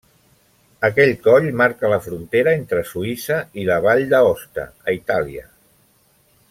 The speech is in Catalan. Aquell coll marca la frontera entre Suïssa i la Vall d'Aosta, a Itàlia.